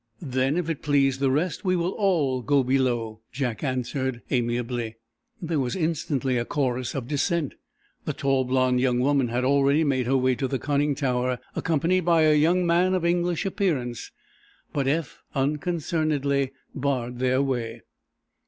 "Then, if it please the rest, we will all go below," Jack answered amiably. There was instantly a chorus of dissent. The tall, blond young woman had already made her way to the conning tower, accompanied by a young man of English appearance. But Eph unconcernedly barred their way.